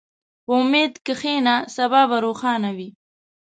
په امید کښېنه، سبا به روښانه وي.